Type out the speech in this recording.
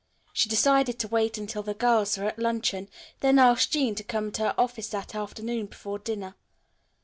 She decided to wait until the girls were at luncheon, then ask Jean to come to her office that afternoon before dinner.